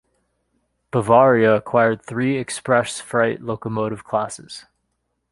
Bavaria acquired three express freight locomotive classes.